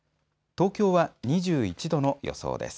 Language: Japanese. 東京は２１度の予想です。